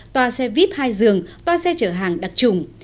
toà xe vip hai giường toà xe chở hàng đặc trùng